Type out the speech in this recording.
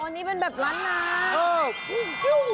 อันนี้เป็นแบบร้านหนา